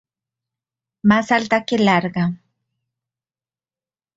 Más alta que larga.